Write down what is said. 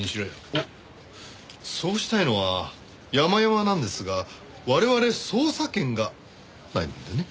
おっそうしたいのはやまやまなんですが我々捜査権がないもんでね。